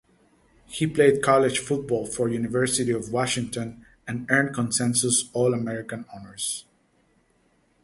He played college football for University of Washington, and earned consensus All-American honors.